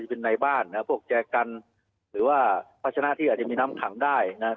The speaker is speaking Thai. เป็นในบ้านนะครับพวกแจกันหรือว่าพัชนะที่อาจจะมีน้ำขังได้นะครับ